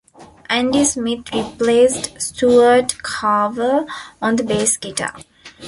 Andy Smith replaced Stuart Carver on the bass guitar.